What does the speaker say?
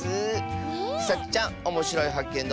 さちちゃんおもしろいはっけん